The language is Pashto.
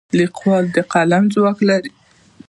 لیکوال د قلم ځواک لري.